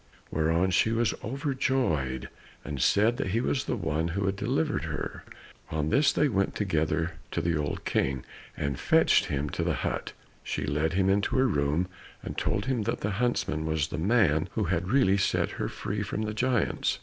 Hereupon she was overjoyed, and said that he was the one who had delivered her. On this they went together to the old King, and fetched him to the hut, and she led him into her room, and told him that the huntsman was the man who had really set her free from the giants.